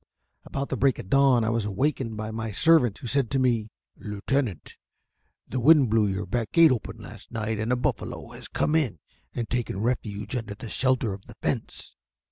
About the break of dawn I was awakened by my servant, who said to me: "Lieutenant, the wind blew your back gate open last night, and a buffalo has come in and taken refuge under the shelter of the fence."